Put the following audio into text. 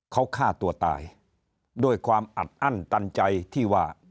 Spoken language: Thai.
เขาฆ่าตัวตายด้วยความอัดอั้นตันใจที่ว่า